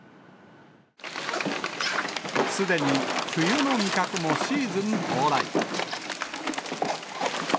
すでに冬の味覚もシーズン到来。